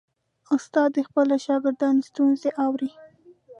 استاد د خپلو شاګردانو ستونزې اوري.